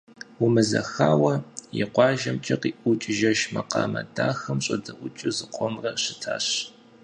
Умэзэхауэ, и къуажэмкӀэ къиӀукӀ жэщ макъамэ дахэм щӀэдэӀуу, зыкъомрэ щытащ.